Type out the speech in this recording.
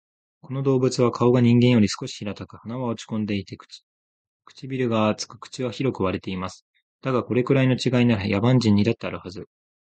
この動物は顔が人間より少し平たく、鼻は落ち込んでいて、唇が厚く、口は広く割れています。だが、これくらいの違いなら、野蛮人にだってあるはず